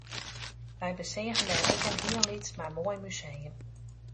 Wy beseagen dêr ek in hiel lyts mar moai museum